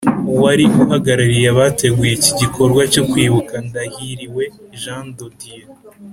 Uwari uhagarariye abateguye iki gikorwa cyo Kwibuka Ndahiriwe Jean de Dieu